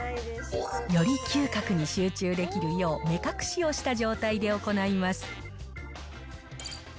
より嗅覚に集中できるよう、目隠しをした状態で行います。